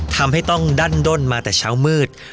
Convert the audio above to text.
ทำให้ต้องดั้นด้นมาแต่เช้ามืด